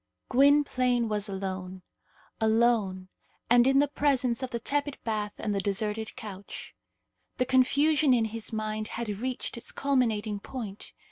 Gwynplaine was alone alone, and in the presence of the tepid bath and the deserted couch. The confusion in his mind had reached its culminating point.